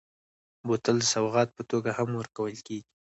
بوتل د سوغات په توګه هم ورکول کېږي.